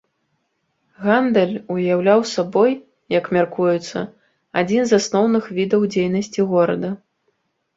Гандаль уяўляў сабой, як мяркуецца, адзін з асноўных відаў дзейнасці горада.